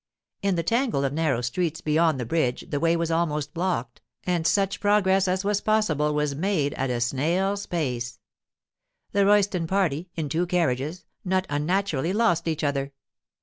In the tangle of narrow streets beyond the bridge the way was almost blocked, and such progress as was possible was made at a snail's pace. The Royston party, in two carriages, not unnaturally lost each other.